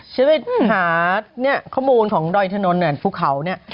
ฉันไปถามข้อมูลของดอยอินทรนทั้งหมดเนี่ยฟุกเขาเนี่ย